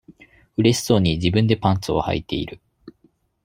うれしそうに、自分でパンツをはいている。